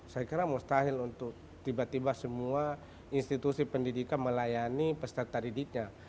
saya kira mustahil untuk tiba tiba semua institusi pendidikan melayani peserta didiknya